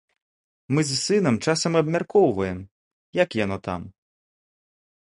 Мы з сынам часам абмяркоўваем, як яно там.